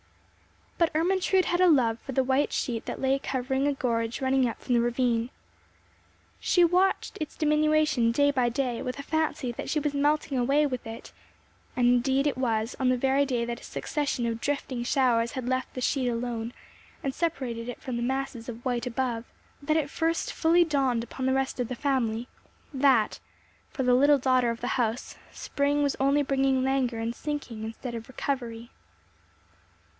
But Ermentrude had a love for the white sheet that lay covering a gorge running up from the ravine. She watched its diminution day by day with a fancy that she was melting away with it; and indeed it was on the very day that a succession of drifting showers had left the sheet alone, and separated it from the masses of white above, that it first fully dawned upon the rest of the family that, for the little daughter of the house, spring was only bringing languor and sinking instead of recovery.